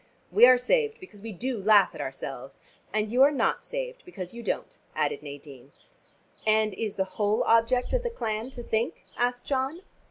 We are saved because we do laugh at ourselves " "And you are not saved because you don't," added Nadine. "And is the whole object of the clan to think?" asked John.